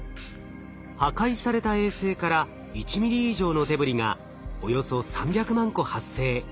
破壊された衛星から１ｍｍ以上のデブリがおよそ３００万個発生。